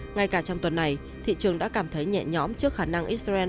ngay cả trong tuần này thị trường đã cảm thấy nhẹ nhõm trước khả năng israel